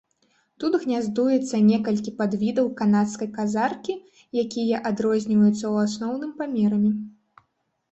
Тут гняздуецца некалькі падвідаў канадскай казаркі, якія адрозніваюцца ў асноўным памерамі.